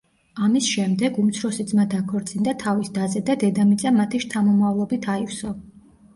ამის შემდეგ უმცროსი ძმა დაქორწინდა თავის დაზე და დედამიწა მათი შთამომავლობით აივსო.